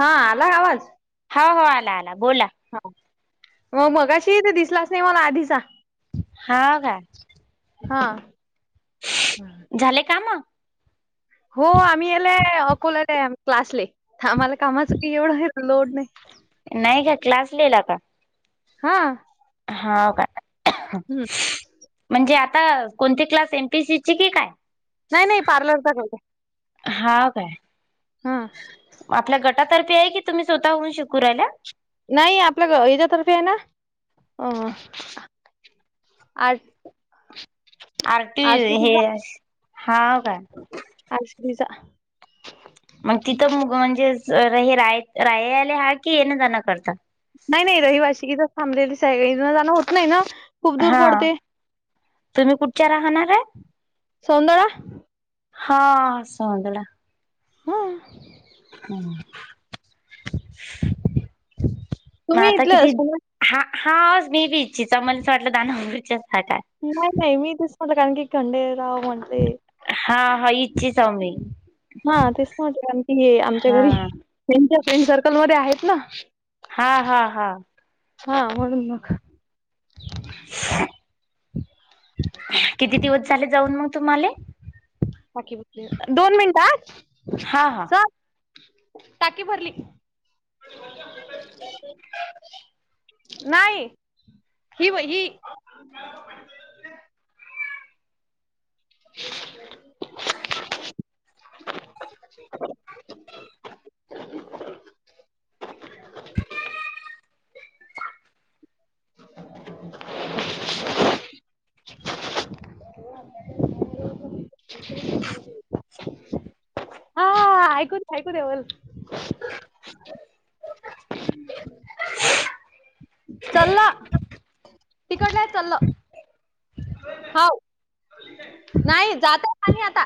हा. आला आवाज? हो हो. आला आला. बोला. हो. म मगाशी तर दिसलाच नाही मला आधीचा. हां का? हा झाले काम? हो आम्ही यालाय अकोल्यालाए आम्ही क्लासले. आम्हाला कामाच काही एवढं लोड नाही. नाही ग क्लास [unintelligible] हां. हाव का? म्हणजे आता कोणते class? M P S C चे की काय? नाही नाही पार्लर कत हा काय? हा आपल्या गट- गटा तर्फे आहे की तुम्ही स्वतःहून शिकू राह्यल्या? नाही आपलं ह्याच्यातर्फे आहे ना? अ- आज- आर टी हे. हा का? तुमचा मग तिथं मुग म्हणजे हे राय रायाले आहहे की येण जाण करता? नाही नाही. रहिवासी इथंच थांबलेले आहे सगळे. येण जाण होत नाही ना? खूप दूर हहां. पडते तुम्ही कुठच्या राहणाऱ्या? सौंदळा हा. सौंदळा. हम्म. हम्म. मग तुम्ही आता इथलं किती- हा हा. मी [unintelligible] मला असं वाटलं दानापुर च्या आहेत काय? नाही नाही. मी इथंच [unintelligible] की खंडेराव म्हणते हा हा. इच्छीचा हाव मी. हा. तेच त म्हटलं की आमच्या हा घरी त्यांच्या फ्रेंड सर्कलमध्ये आहेत ना? हा हा हा. हा. म्हणून मग. किती दिवस झाले जाऊन मग तुम्हाले? ओके. दोन मिनट हा हा हं. टाकी भरली. नाही. हि ब ही. वरगी गाडी चा आवाज ग्लास पडल्याचा आवाज गाडीचा आवाज यांना बदल होणार आहे की नाही हा. आ ऐकू दे. ऐकू देवल. मशीन चा आवाज चाल्ला तिकडल्या यात चाल्लं. हाव नाही जातो खाली आता.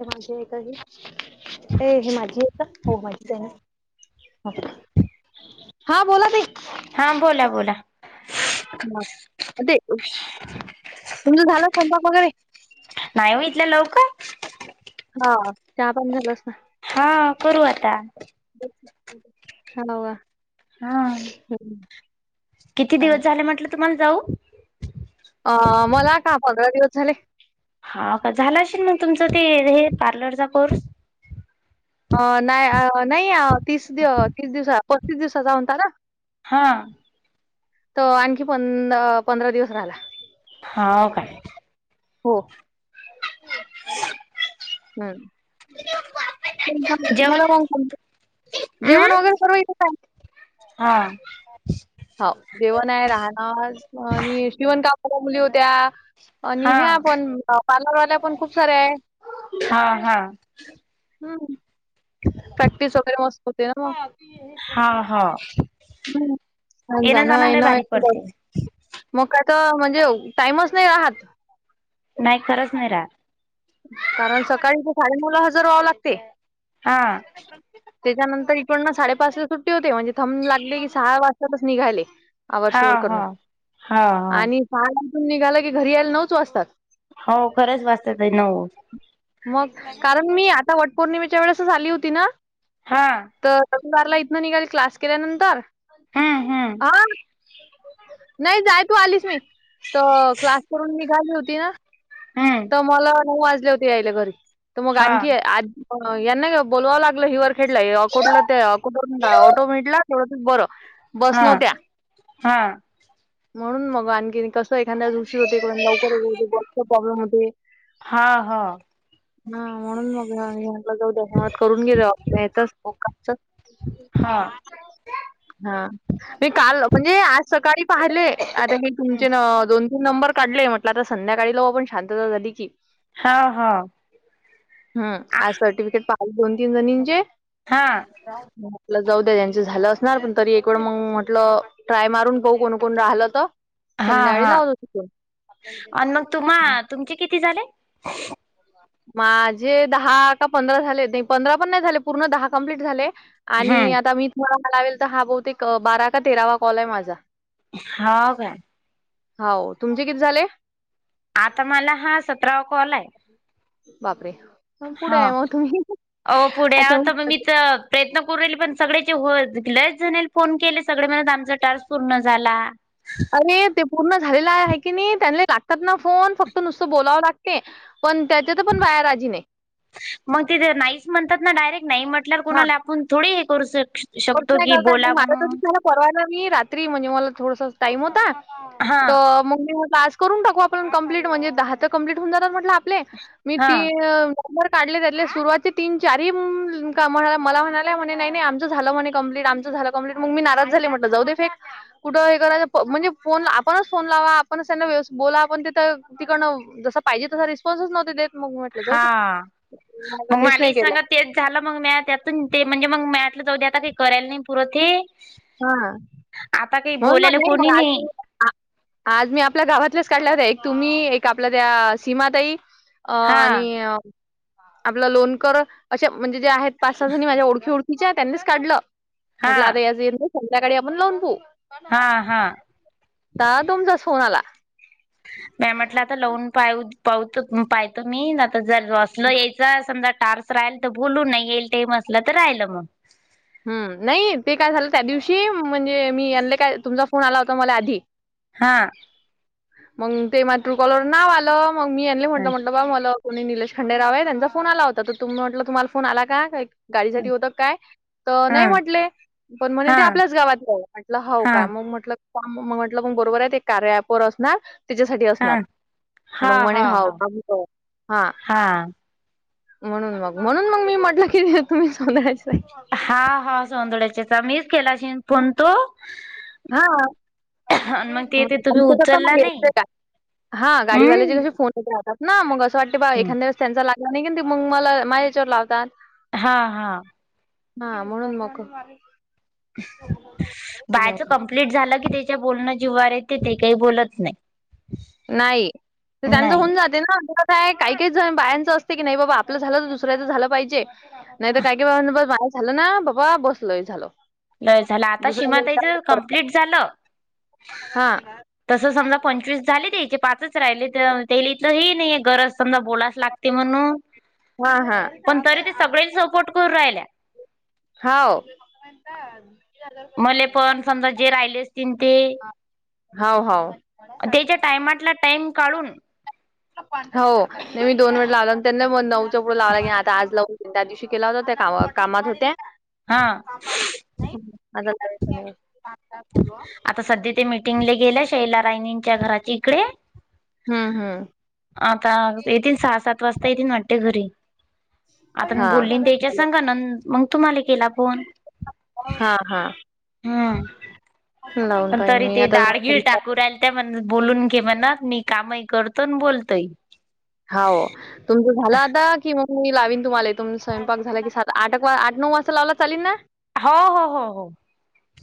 हे माझी आहे का ह माझी आहे का हो माझीच आहे ना. हा बोला ताई हां बोला बोला. ह ते तुमचा झाला स्वयंपाक वगैरे नाही हो इथल्या लवकर हा चहा पाणी झालं असणार. हा करू आता. हा नवा. हा. हा. किती दिवस झाले म्हटलं तुम्हाला जाऊ. अ मला का पंधरा दिवस झाले. हा का झालं असेल मग तुमचं ते हे पार्लरचा कोर्स. अ नाही नाही तीस दि तीस दिवसा पस्तीस दिवसाचा होताना. हा. तर आणखी पंधरा दिवस राहणार. आ होय काय. हो. तुमचा झाला की माझ्या जेवण कॉल संपते. जेवण अं वगैरे सर्व इथेच आहे. हा. हाव जेवण आहे राहणार आणि शिवण कामवाल्या मुली होत्या. आणि हा ह्य पण पार्लरवाल्या खूप साऱ्या आहे. हा हा हम्म प्रॅक्टिस वगैरे मस्त होते ना मग. हा हो. ह म्हज नाय नाय पडते मग काय तर, म्हणजे टाईमच नाही राहात. नाही खरंच नही राहत. कारण सकाळी तिथं साडे-नऊला हजर व्हावे लागते. हा त्याच्यानंतर एकडन साडे-पाच ला सुट्टी होते म्हणजे थंब लागले की सहा वाजतातच निघाले. आवर हा शोयर हा करणं हा हा आणि पाचला इथून निघालं की घरी यायला नऊच वाजतात. हो खरंच वाजता ताई नऊ मग कारण मी आता वट पौर्णिमेच्या वेळेसच आली होती ना. हां. तर दुपारला इथनं निघाली क्लास केल्यानंतर हम्म हम्म. हा नाही जाय तू आलीस मी, तर क्लास करून निघाली होती ना. हम्म त मला नऊ वाजले होते यायला घरी तर मग हा आणखी यांना बोलवावं लागलं हिवर खेडीला कुठलं ते कुठून ऑटो भेटला. बरं. बस हा-हा. म्हणुन मग आणखी तसं कसं एखाद्या वेळेस उशीर होते लवकर [inaudible] खुप प्रॉब्लेम होते. हा ह हा हा. हा म्हणून मगला जाऊ धशन्यवाद करून गेले येतच [unintelligible] हा हा मी काल म्हणजे आज सकाळी काढले आता मी तुमचे नं दोन-तीन नंबर काढले, म्हटलं आता संध्याकाळी लाऊ आपण शांतता झाली की. हाव हाव हम्म आज सर्टिफिकेट पाहूं दोन-तीन जणींचे हा मं म्हटलं जाऊ दे ह्याचं झालं असणार पण तरी एक वेळ मंग म्हटलं ट्राय मारून बघू पुन्हा आल त हा हा अन् मग तुम्हा तुमचे किती झाले? माझे दहा का पंधरा झालेत, पंधरा पण नाय झाले पूर्ण दहा कंप्लीट झाले. आणि हम्म आता मी तुम्हाला लावेल त हा बहुतेक बारा का तेरावा कॉल आहे माझा. हाव काय. हाव तुमचे किती झाले? आता मला हा सतरावा कॉल आहे. बापरे! मग हा पुढे आहे मग तुम्ही आहो पुढे अच्छा आव त मग- मी त प्रयत्न करू राहिले पण सगळ्याचे होत लईच जणीला फोन केले सगळे म्हणत, आमचा टास्क पूर्ण झाला. [inaudible] अरे ते पूर्ण झालेलं हाय हाय की नी, त्यांना ही लागतात ना फोन फक्त नुसतं बोलावं लागते. पण त्याच्या त पण बायां राजी नाय. म ते तर नाहीच म्हणतात ना डायरेक्ट नाही म्हटल्यावर कोणाला आपण थोडी हे करू शक तर शकतो काय की करतात मग बोला लागतच म्हणून नाय ना परवा ना मी रात्री म्हणजे मला थोडसाचं टाइम होता. हा त मंग मी म्हंटल आज करून टाकू आपण कंप्लीट म्हणजे दहा तर कंप्लीट होऊन जातात म्हंटले आपले मी हा ती अ काढले त्यातले सुरुवातचे तीन चारी म्हणा मला म्हणा म्हणे नाही आम झालं म्हणे कंप्लीट आमचं झालं कंप्लीट मंग मी नाराज झाले, म्हंटल जाऊ दे कुठं हे करायचं म्हणजे फोन आपणच फोन लावा, आपणच त्यांना व्यवस्थित बोला, आपण तिथं तिकडण जसं पाहिजे तसा रिस्पॉन्सच नव्हते देत. मग म्हटलं जाऊ दे. हा, मग मंग हेच माले नाही ही केलं. सांगा तेच झालं मग म्या त्यातून ते म्हणजे मग म्या म्हटलं जाऊ दे आता काय करायला नाय पुरंत हे हा आता काही हो ना बोलायला नाही कोणी मग असे आ आज मी आपल्या गावातल्याचे काढल्या होत्यात एक तुम्ही एक आपल्या त्या सीमाताई अ हा आणि आपलं लोनकर अशे म्हणजे जे आहेत पाच सहा जनी माझ्या ओळखी ओळखी खिच्या त्यांनीच काढलं हा म्हटलं आता या संध्याकाळी आपण लावून पाहू हा हा. तवा तुमचा फोन आला. म्या म्हटलं आता लावून पाहू पाहूत पाहतं मी आता जर असलं यायच समजा टार्कस राहिल तर बोलून नाही येईल ते म टाइम असलं तर राहिलं मग. हम्म नाही ते काय झालं त्या दिवशी म्हणजे मी यानंले काय तुमचा फोन आला होता मला आधी हा मंग ते म ट्रूकॉलवर नाव आलं मग मी आणले हा म्हंटलं म्हणट बा मला कोणी निलेश खंडेराव आहे त्यांचा फोन आला होता त तुम्ही म्हटलं तुम्हाला फोन आला का गाडीसाठी होतं क काय? त हा नाय म्हटले पण म्हणे हा ते आपल्याच गावातले हाय म्हटलं हाऊ हा का मग म्हटलं मग म्हटलं मग बरोबर आहे ते कार्या अँप वर असणार. त्याच्यासाठी हा असणार हा मग म्हणे हा हव हा का [unintelligible] हा म्हणून मग म्हणून मंग मी म्हटलं की तुम्ही चं [unintelligible] हा हा सोधड्याचे मीच केला असेन फोन तो हा. मग ते ते तुम्ही कस उचलला म नाही. [unintelligible] हा गाडीवाल्याचे हम्म कसे फोन आता- ना मग असं वाटंत बा, एखाद्यावेळेस त्यांचा लागला नाही की, ते मग मला माझ्या याच्यावर लावतान. हा हा. हा म्हणून मग- बायच जाऊ कमप्लीट झालं की, त्याच्या बोलणं जिवावर येते ते काही बोलत नाही. नाही, तर त्यांचं नाही होऊन जात- ना [unintelligible] काही काहीच बायांचं असते की, नाही बाबा आपलं झालं तर दुसऱ्याचं झालं पाहिजे. नाही तर, काय काय बा बस माझ झालं ना, बाबा बस लय झाल. लय झालं आता, सीमाताईच कमप्लीट झालं. हा तस समजा पंचवीस झाले, त्याचे पाच राहिले त्याइले तरी, नाही हे गरज समजा बोला. लागते म्हणून, हा पण तरी ते हा सगळ्यां सपोर्ट करून राहिल्या. हाव. मले पण समजा, जे राहिले असतील ते- हाव हाव. तेच्या टायमातला टाइम काढून- हो तुम्ही दोन वेळेस लावला, त्यांना मग नऊचा पुढ लावाव लागेल आता आज लाव- त्या दिवशी केला होता, त्या कामात होत्या. हा. चालू [unintelligible] आता सध्या ते मीटिंगले गेल्या, शैला रायनींच्या घराचा इकडे. हम्म. हम्म. आता येतील सहा, सात वाजता येतील वाटते घरी. आता बोलली हा. त्याच्या संगाना मग तुम्हाला केला फोन. हा हा. हम्. लावून पण पाहिन तरी मी ते आता दाडगिळ टाकू राहीले. त्या म्हण, बोलून घे म्हण मी कामही करतो बोलतोय. हाव, तुमचं झालं आता- कि मग मी लावीन तुम्हाला तुमच स्वयंपाक झाला कि, आठ आठ, नऊ वाजता लावला तर चालेल ना? हो, हो, हो, हो.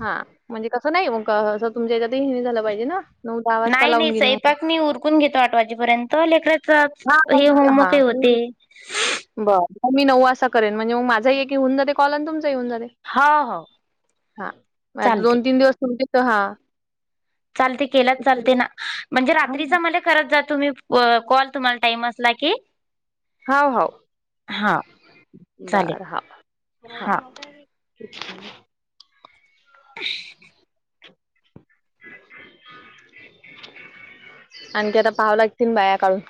हा, म्हणजे कसं नाही मगं तुमच्या याच्यात हे झालं पाहिजे ना? नऊ दहा वाजता नाही, नाही, लावून घेन स्वयपाक मी उरकून घेतो, आठ वाजेपर्यंत लेकरायच- हा हे होमवर्क ही होते. बर. मग मी नऊ वाजता करेन, म्हणजे मंग माझाही एक होऊन जाते कॉल आणि तुमचाही होऊन जाते. हो हो हा, म आता चालते दोन तीन दिवस तुमचा [unintelligible] हा. चालतय की, केलाच चालते ना, म्हणजे हां, रात्री मला- करत जा तुम्ही, कॉल तुम्हाला टाईम असला की. हाव, हाव, हा चालेल बर हा, हा. आहे [inaudible] ह [unintelligible] आणखी आता पाहावं लागतील, बाया काढून-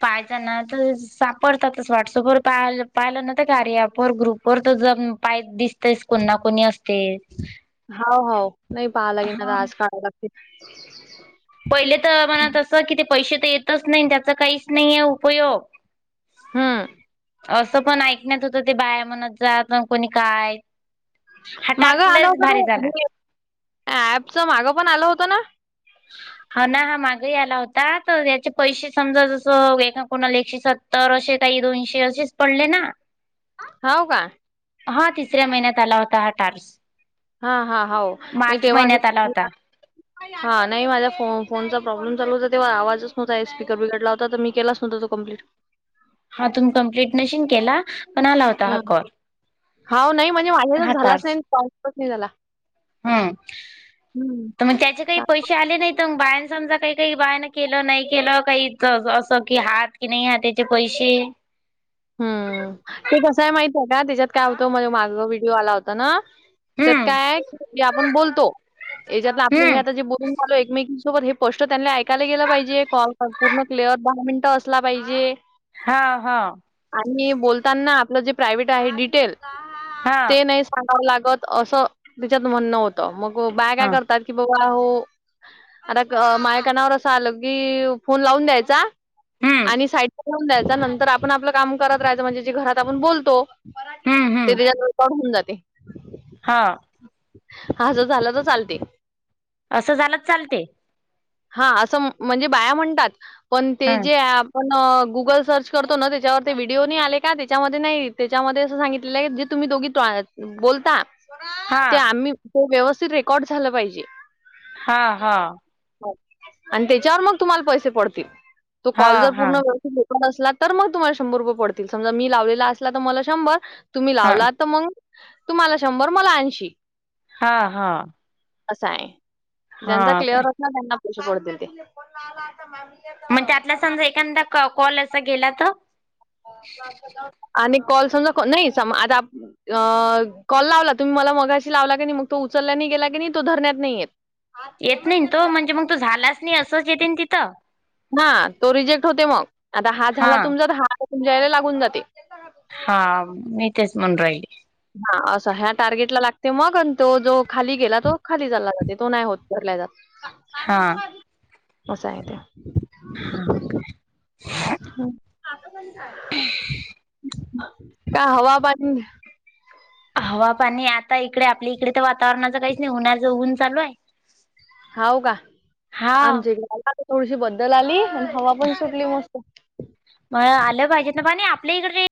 पाहिज ना, तर सापडतात व्हॉट्सअपवर पा पाहिलं ना तर गप [unintelligible] वर ग्रुप. परत जण पाय दिसतेस, कोण ना कोणी असते. होा हो नाही पहाला गेणार हा. आज काळालाग [unintelligible] पहिले तर मनात असं कि, ते पैसे तर येतच नाही, त्येचा काहीच नाही आहे उपयोग. हं. असं पण ऐकण्यात होत ते, बाया म्हणत जात पण कोणी काय? हा माग टार्च आलं लयच भारी होत झाला. ना ऍपच मागं पण आलं होतं ना हा ना हा मागही आला होता तर याचे पैसे समजा जस एका कोणाला एकशे स तर असे काही दोनशे असेच पडले ना हो का हा तिसऱ्या महिन्यात आला होता हा टार्स हा हा हो मी मार्च तेव्हा महिन्यात आला घेतली [inaudible] हा नाही माझ्या फो फोनचा प्रॉब्लेम चाल होता तेव्हा आवाजच नव्हता आहे स्पीकर बिघडला होता तर मी केला नव्हता तो कम्प्लीट हा तुम्ही कंप्लीट नशीन केला. पण आला होता हा ह कॉल हा नाही म्हणजे माझ्याचा हा झालाच नाहीच नाही झाला हम हं. तर मग त्याचे काही पैसे आले नाही. मग बायन समजा काही काही बायन केलं नाही केलं काही असं की हात की नाही हाताचे पैसे हम्म ते कसं आहे माहित आहे का त्याच्यात काय होतं मण माझ व्हिडिओ आला होता ना त्यात हम्म काय आहे आपण बोलतो याच्यात आपण हे हम्म आता जे बोलून चालो एकमेकीसोबत हे पोष्टट त्यांनी ऐकायला गेलं पाहिजे कॉल पूर्ण क्लिअर दहा मिनिटं असला पाहिजे हा हा. आणि बोलताना आपलं जे प्रायव्ट आहे डिटेल हा ते नाही गाव लागत असं त्यािच्यात म्हणणं होतं मग बा काय हा करतात कि बाबा हो आता माझ्या कानावर असं आलं की फोन लावून द्यायचा हम्म आणि साईेऊन द्यायचा नंतर आपण आपलं काम करत राहायचं म्हणजे जे घरात आपण बोलतो परा हम्म हम्म कच्यावर पण होऊन जाते हा हा ज झाला तर चालते असं झालंच चालते हा असं म्हणजे बाया म्हणतात पण हा ते जे पण गुगल सर्च करतो ना त्याच्यावर ते व्हिडिओ नाही आले का त्याच्यामध्ये नाही त्याच्यामध्ये असं सांगितलेलं ज तुम्ही दोघी बोलता हा ते आम्ही तो व्यवस्थित रेकॉर्ड झाला पाहिजे. हा हा आणि त्याच्यावर मग तुम्हाला पैसे पडतील तो हा कॉल जर पूर्ण हा कर न असला तर मग तुम्हाला शंभर रुपये पडतील समजा मी लावलेला असला तर मला शंभर तुम्ही हा लावला तर मग तुम्हाला शंभर मला ऐंशी हा हा असं आहे ज्यांचा हा क्लिअर काय होत ना त्यांना पैसे पडतील ते म्हणजे आला समजा एखादा क कॉल असा गेला तर आणि कॉल समजा नाही सम आता अ कॉल लावला तुम्ही मला मगाशी लावला की नाही मग तो उचलल्याने गेला की नाही तो धरण्यात नाहीयेत येत नाही तो म्हणजे मग तो झालाच नाही असंच येते ना तिथं ह तो रिजेक्ट होते मग आता हा झाला तुमचा तर हा तुमच्याला लागून जाते हा मी तेच म्हून राहिली हा असं ह्या टार्गेट लागते मग तो जो खाली गेला तो खाली चालला जाते तो नाही होतरलाय जातो हा ण असं आहे ते हा ओके का हवा बन हवा पाणी आता इकडे आपल्या इकडे तर वातावरणाचं काहीच नाही होणार जऊन चालू आहे हाव का हा आमच्या इकडे आला थोडीशी बद्दल आली आणि हवा पण सुटली मस्त म आलं पाहिजेत ना पाणी. आपल्या इकडचे